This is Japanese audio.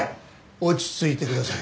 落ち着いてください。